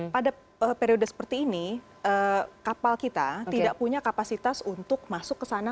pada periode seperti ini kapal kita tidak punya kapasitas untuk masuk ke sana